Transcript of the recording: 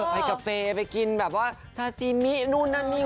ไปกาเฟไปกินชาซิมินู้นนั่นนี่